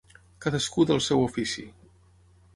Cadascú del seu ofici.